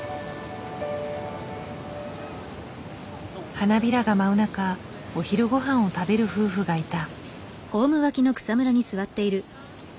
花びらが舞う中お昼御飯を食べる夫婦がいた。